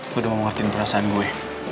gue udah mau ngertiin perasaan gue